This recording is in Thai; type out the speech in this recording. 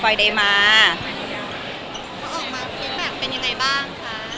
เพื่อออกมาเป็นอย่างไรบ้าง